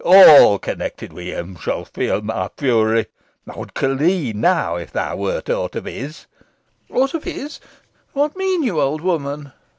All connected with him shall feel my fury. I would kill thee now, if thou wert aught of his." "Aught of his! What mean you, old woman?"